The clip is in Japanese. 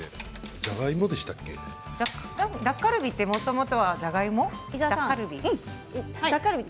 タッカルビってもともとはじゃがいも？